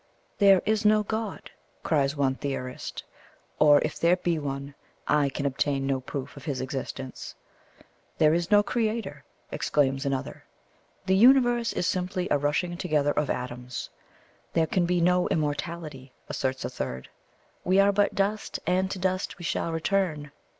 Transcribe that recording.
"There is no God!" cries one theorist; "or if there be one, I can obtain no proof of His existence!" "There is no Creator!" exclaims another. "The Universe is simply a rushing together of atoms." "There can be no immortality," asserts a third. "We are but dust, and to dust we shall return."